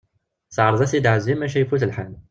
Teɛreḍ ad t-id-tɛezzi maca ifut lḥal.